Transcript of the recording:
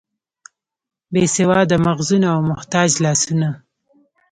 بې سواده مغزونه او محتاج لاسونه.